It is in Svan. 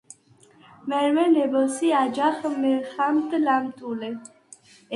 მე̄რმე ნებოზსი̄ აჯაღ მჷრა̄მდ ლამტუ̄ლე.